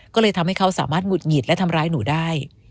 ก็เลยทำให้เขาสามารถหงุดหงิดและทำร้ายหนูได้